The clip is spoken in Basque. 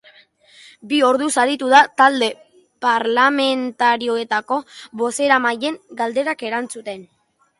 Bi orduz aritu da talde parlamentarioetako bozeramaileen galderak erantzuten.